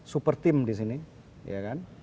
super team di sini ya kan